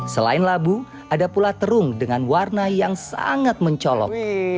selain labu ada pula terung dengan warna yang sangat mencolok